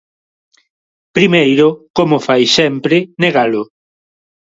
Primeiro, como fai sempre, negalo.